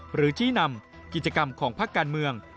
หรือชี้นำกิจกรรมของพักการเมือง